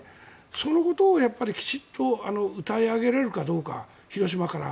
そのことをきちっとうたい上げれるかどうか広島から。